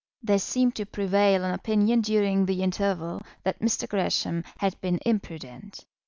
There seemed to prevail an opinion during this interval that Mr. Gresham had been imprudent.